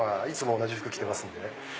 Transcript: いつも同じ服着てますんでね